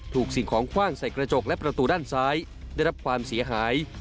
สิ่งของคว่างใส่กระจกและประตูด้านซ้ายได้รับความเสียหาย